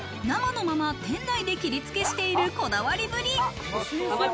生のまま店内で切りつけしているこだわりぶり。